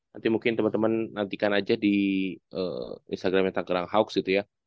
nanti mungkin temen temen nantikan aja di instagramnya tangerang hawks gitu ya